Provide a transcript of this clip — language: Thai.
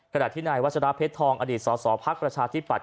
ขณะที่นายวัชราเพชรทองอดีตสสพักประชาธิปัต